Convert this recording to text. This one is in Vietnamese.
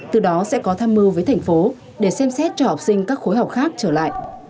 từ đó sẽ có tham mưu với thành phố để xem xét cho học sinh các khối học khác trở lại